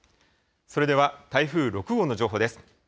それでは台風６号の情報です。